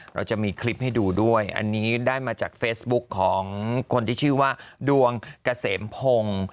เราจะมีคลิปให้ดูด้วยอันนี้ได้มาจากเฟซบุ๊คของคนที่ชื่อว่าดวงเกษมพงศ์